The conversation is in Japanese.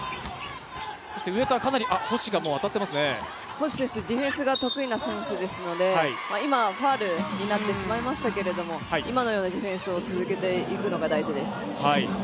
星選手、ディフェンスが得意な選手ですので、今ファウルになってしまいましたけど、今のようなディフェンスを続けていくのが大事です。